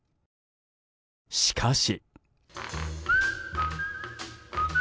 しかし。